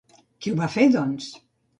Qui ho va fer, doncs?